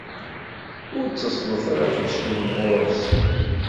Ur tteẓẓlet ara afus-nwen ɣur-s!